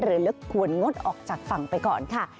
ลึกควรงดออกจากฝั่งไปก่อนค่ะ